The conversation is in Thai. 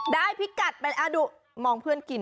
ได้พิกัดไปดูมองเพื่อนกิน